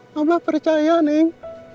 mbah percaya neng